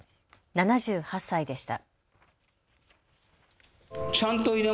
７８歳でした。